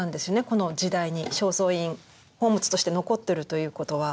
この時代に正倉院宝物として残ってるということは。